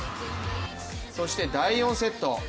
そして第４セット。